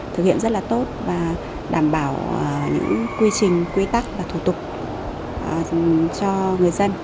thực hiện rất là tốt và đảm bảo những quy trình quy tắc và thủ tục cho người dân